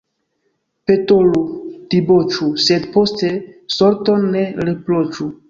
Petolu, diboĉu, sed poste sorton ne riproĉu.